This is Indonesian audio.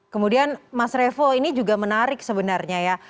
kemudian mas revo ini juga menarik sebenarnya ya